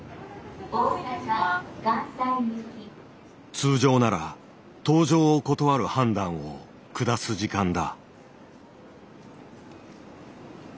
通常なら搭乗を断る判断を下す時間だ。